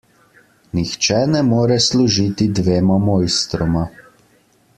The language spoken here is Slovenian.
Nihče ne more služiti dvema mojstroma.